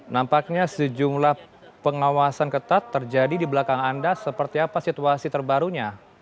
nampaknya sejumlah pengawasan ketat terjadi di belakang anda seperti apa situasi terbarunya